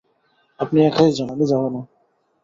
আপনি একাই যান, আমি যাব না।